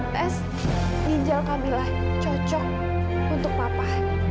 pertempuran ginjal kamila cocok untuk papa